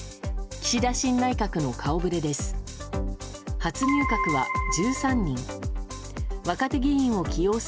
岸田新内閣の顔ぶれです。